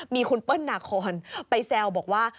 มีคุณเปิ้ลนาคอนไปแซวบอกว่า